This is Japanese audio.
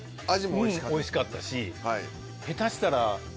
おいしかったし。